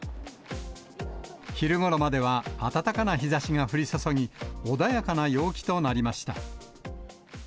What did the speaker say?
昼ごろまでは、暖かな日ざしが降り注ぎ、穏やかな陽気となりました。